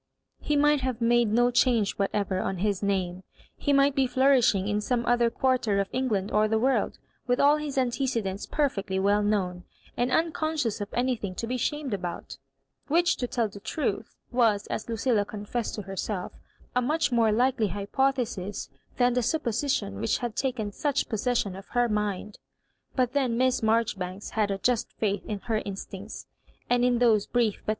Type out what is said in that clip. He might have made no change whatever on his name; he might be flourishing in some other quarter of England or the world, with all his antecedents perfectly well known, and uncon scious of anything to be ashamed about ; which, to tell the truth, was, as Lucilla confessed to her self; a much more likely hypothesis than the sup position which had taken such possession of her mind. But then Miss Maijoribanks had a just faith in her instincts, and in those brief but.